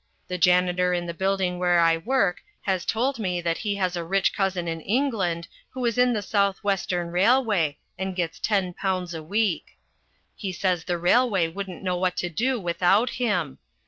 The janitor in the building where I work has told me that he has a rich cousin in England who is in the South Western Railway and gets ten pounds a week. He says the railway wouldn't know what to do without him.